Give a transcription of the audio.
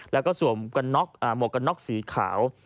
และสวมหมวกกั๊กสีขาว